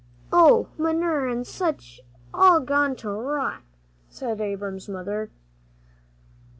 "Oh, manure an' sich, all gone to rot," said Abram's mother.